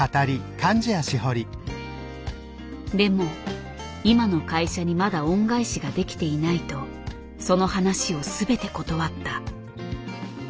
でも今の会社にまだ恩返しができていないとその話を全て断った。